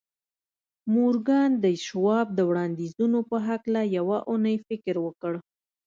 مورګان د شواب د وړاندیزونو په هکله یوه اونۍ فکر وکړ